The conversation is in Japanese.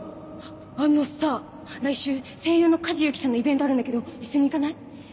あのさ来週声優の梶裕貴さんのイベントあるんだけど一緒に行かない？